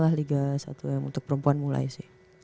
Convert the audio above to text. lah liga satu untuk perempuan mulai sih